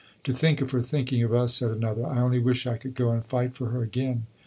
'To think of her thinking of us,' said another; 'I only wish I could go and fight for her again.'"